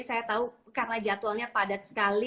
saya tahu karena jadwalnya padat sekali